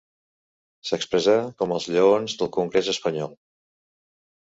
S'expressà com els lleons del Congrés espanyol.